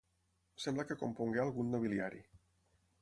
Sembla que compongué algun nobiliari.